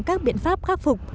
các biện pháp khắc phục